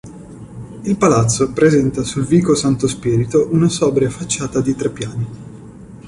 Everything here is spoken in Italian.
Il palazzo presenta sul vico Santo Spirito una sobria facciata di tre piani.